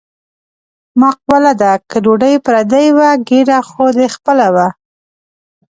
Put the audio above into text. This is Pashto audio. مقوله ده: که ډوډۍ پردۍ وه ګېډه خو دې خپله وه.